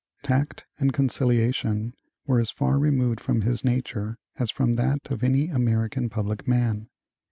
Tact and conciliation were as far removed from his nature as from that of any American public man.